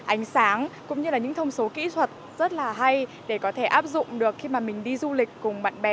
ánh sáng cũng như là những thông số kỹ thuật rất là hay để có thể áp dụng được khi mà mình đi du lịch cùng bạn bè